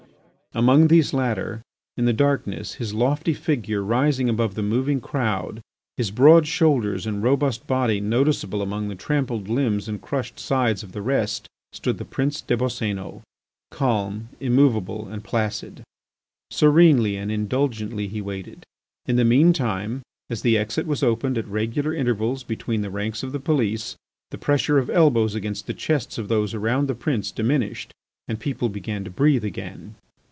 Among these latter, in the darkness, his lofty figure rising above the moving crowd, his broad shoulders and robust body noticeable among the trampled limbs and crushed sides of the rest, stood the Prince des Boscénos, calm, immovable, and placid. Serenely and indulgently he waited. In the mean time, as the exit was opened at regular intervals between the ranks of the police, the pressure of elbows against the chests of those around the prince diminished and people began to breathe again.